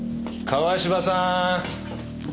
川芝さん！